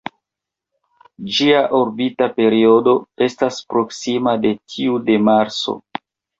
Ĝia orbita periodo estas proksima de tiu de Marso.